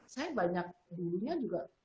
saya banyak di dunia juga